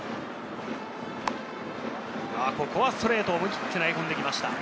ここはストレート、思い切って投げ込んできました。